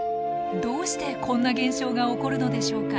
どうしてこんな現象が起こるのでしょうか。